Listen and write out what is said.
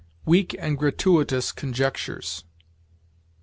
"Weak and gratuitous conjectures."